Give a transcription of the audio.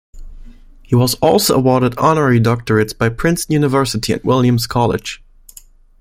He was also awarded honorary doctorates by Princeton University and Williams College.